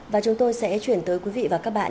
và chúng tôi sẽ chuyển tới quý vị và các bạn